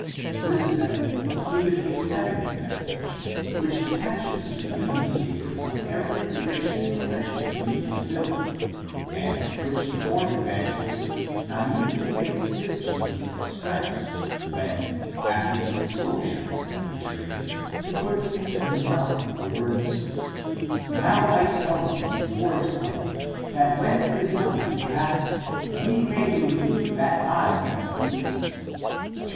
This method included a second advantage, which attaches to the enunciator of every prediction alleged to be fulfilled, and which the fourth Evangelist naively makes his Jesus express, when, after the exposure of the betrayer, he puts into his mouth the words: Vow J tell you before it come, that when it is come to pass, ve may believe that I am he (xiii.